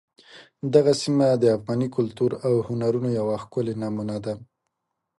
دغه سیمه د افغاني کلتور او هنرونو یوه ښکلې نمونه ده.